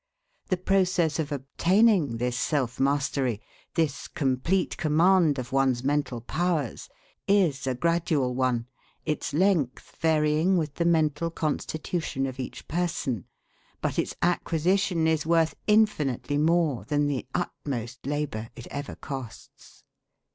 The process of obtaining this self mastery this complete command of one's mental powers is a gradual one, its length varying with the mental constitution of each person; but its acquisition is worth infinitely more than the utmost labor it ever costs."